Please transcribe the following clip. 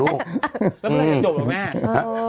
แล้วมันจะจบหรอแม่